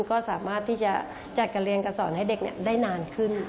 ก็สามารถที่จะจัดการเรียนการสอนให้เด็กได้นานขึ้น